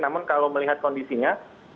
namun kalau melihat kondisinya